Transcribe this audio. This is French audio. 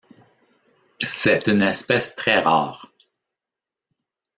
C'est une espèce très rare.